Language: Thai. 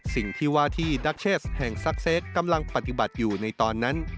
สิ่งที่ว่าที่ดัคเชสแห่งซักเซตกำลังปฏิบัติอยู่ในตอนนั้น